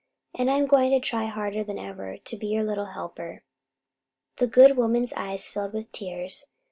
And I am going to try harder than ever to be your little helper." The good woman's eyes filled with tears.